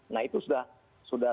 nah itu sudah